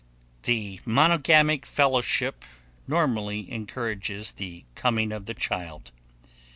The monogamic fellowship normally encourages the coming of the child.